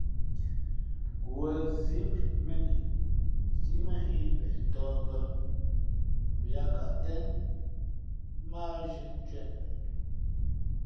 Wen zí mēn i nsíʼ mᾱ nhᾱ ī mbeʼ tᾱh bᾱ mα yāā kαʼ tén mά á zhīē ncwěʼ.